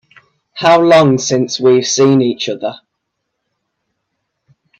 How long since we've seen each other?